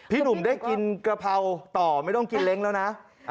พี่หนุ่มกินเกราะพราวต่อไม่ต้องกินเล้งแล้วนะ